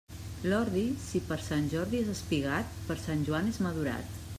L'ordi, si per Sant Jordi és espigat, per Sant Joan és madurat.